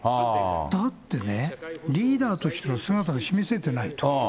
だってね、リーダーとしての姿を示せてないと。